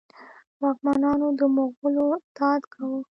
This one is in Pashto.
واکمنانو د مغولو اطاعت کاوه.